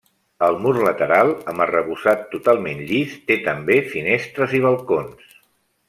El mur lateral, amb arrebossat totalment llis, té també finestres i balcons.